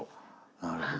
なるほど。